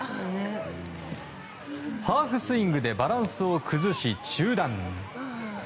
ハーフスイングでバランスを崩し、中断。